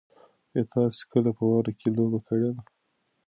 ایا تاسي کله په واوره کې لوبه کړې ده؟